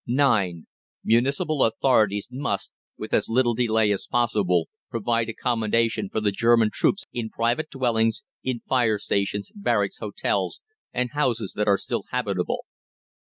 (9) MUNICIPAL AUTHORITIES MUST, with as little delay as possible, provide accommodation for the German troops in private dwellings, in fire stations, barracks, hotels, and houses that are still habitable.